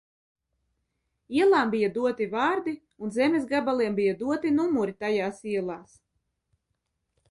Ielām bija doti vārdi un zemes gabaliem bija doti numuri tajās ielās.